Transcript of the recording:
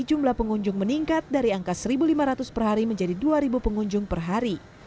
jumlah pengunjung meningkat dari angka satu lima ratus per hari menjadi dua pengunjung per hari